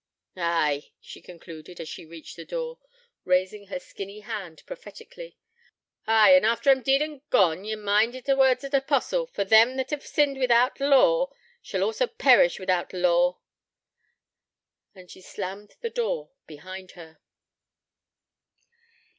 Ay,' she concluded, as she reached the door, raising her skinny hand prophetically, 'ay, after I'm deed and gone, ye mind ye o' t' words o' t' apostle "For them that hev sinned without t' law, shall also perish without t' law."' And she slammed the door behind her.